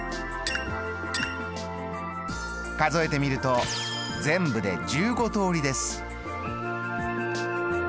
数えてみると全部で１５通りです。